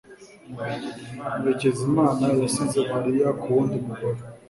Murekezimana yasize Mariya ku wundi mugore.